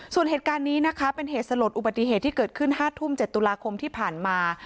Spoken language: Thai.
ส่วนเหตุการณ์นี้นะคะเป็นเหตุสลดอุบัติเหตุที่เกิดขึ้น๕ทุ่ม๗ตุลาคมที่ผ่านมา